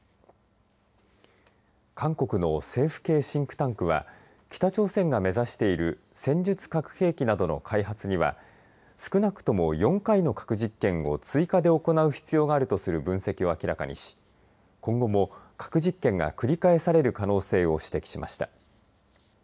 韓国の政府系シンクタンクは北朝鮮が目指している戦術核兵器などの開発には少なくとも４回の核実験を追加で行う必要があるとする分析を明らかにし今後も核実験が繰り返される可能性を指摘しました。